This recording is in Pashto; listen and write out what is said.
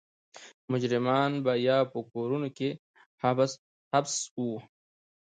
مجرمان به یا په کورونو کې حبس وو.